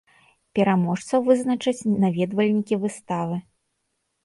Пераможцаў вызначаць наведвальнікі выставы.